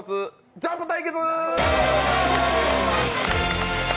ジャンプ対決！